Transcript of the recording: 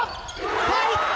入った！